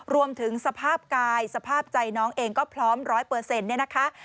รวมถึงสภาพกายสภาพใจน้องเองก็พร้อมร้อยเปอร์เซ็นต์นะคะ